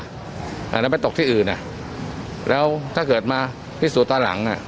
อ่าแล้วไปตกที่อื่นอ่ะแล้วถ้าเกิดมาพิสูจน์ตอนหลังอ่ะ